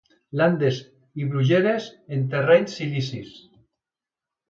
Landes i brugueres en terrenys silicis.